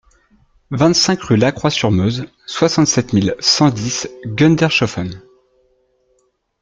vingt-cinq rue Lacroix sur Meuse, soixante-sept mille cent dix Gundershoffen